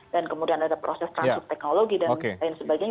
dan kemudian ada proses transit teknologi dan lain sebagainya